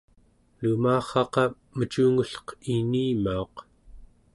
lumarraqa mecungelleq inimauq